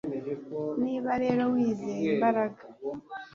niba rero wizeye imbaraga